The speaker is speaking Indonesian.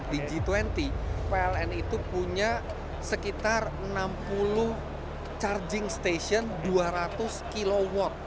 di g dua puluh pln itu punya sekitar enam puluh charging station dua ratus kw